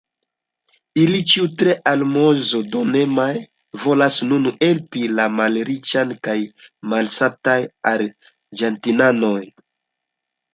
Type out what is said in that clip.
Ili ĉiuj, tre almozdonemaj, volas nun helpi la malriĉajn kaj malsatajn argentinanojn.